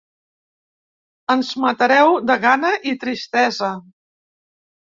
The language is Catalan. Ens matareu de gana i tristesa.